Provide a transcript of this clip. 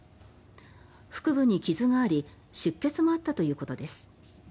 腹部に傷があり出血もあったということです。